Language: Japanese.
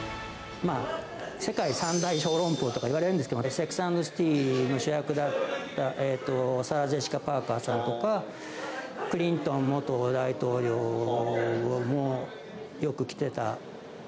世界三大小籠包とか言われるんですけど、私は、セックス・アンド・ザ・シティーの主役であった、サラ・ジェシカ・パーカーさんとか、クリントン元大統領も、よく来てた。